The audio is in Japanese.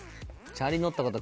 チャリ乗ったこと